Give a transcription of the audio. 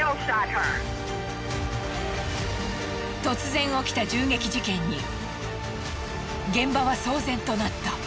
突然起きた銃撃事件に現場は騒然となった。